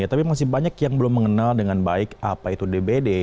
tapi masih banyak yang belum mengenal dengan baik apa itu dbd